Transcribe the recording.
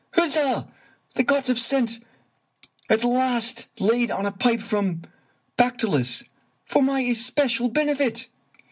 " Huzza! the gods have at last laid on a pipe from Pactolus for my especial benefit."